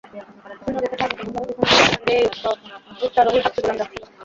সৈন্যদের সাথে আগত মহিলারা যেখানে ছিল সেখান দিয়ে এই উষ্ট্রারোহী হাবশী গোলাম যাচ্ছিল।